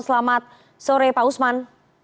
selamat sore pak usman